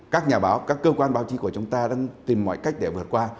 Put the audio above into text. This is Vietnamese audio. các nhà báo các cơ quan báo chí của chúng ta đang tìm mọi cách để vượt qua